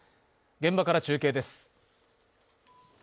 現場から中継です。